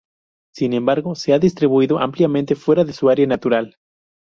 Sin embargo, se ha distribuido ampliamente fuera de su área natural.